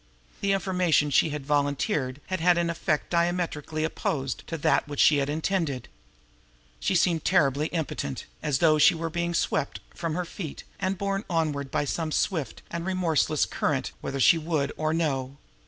The information she had volunteered had had an effect diametrically opposite to that which she had intended. She seemed terribly impotent; as though she were being swept from her feet and borne onward by some swift and remorseless current, whether she would or no.